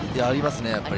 ありますね。